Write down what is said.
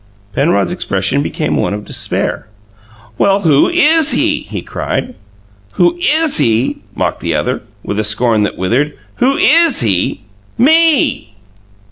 Penrod's expression became one of despair. "Well, who IS he?" he cried. "'Who IS he?'" mocked the other, with a scorn that withered. "'Who IS he?' ME!"